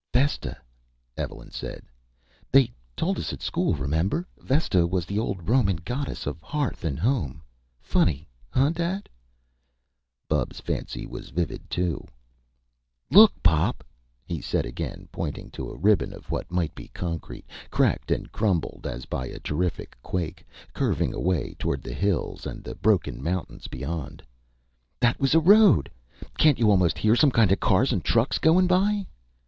"Vesta," Evelyn said. "They told us at school remember? Vesta was the old Roman goddess of hearth and home. Funny hunh Dad?" Bubs' fancy was vivid, too. "Look, Pop!" he said again, pointing to a ribbon of what might be concrete, cracked and crumpled as by a terrific quake, curving away toward the hills, and the broken mountains beyond. "That was a road! Can't you almost hear some kinda cars and trucks goin' by?"